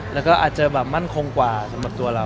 มันมั่นคงกว่าสำหรับตัวเรา